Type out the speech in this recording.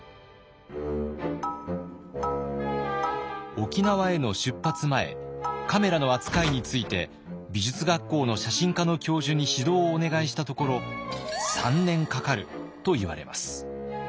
沖縄への出発前カメラの扱いについて美術学校の写真科の教授に指導をお願いしたところ「３年かかる」と言われます。